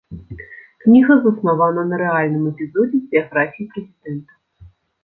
Кніга заснавана на рэальным эпізодзе з біяграфіі прэзідэнта.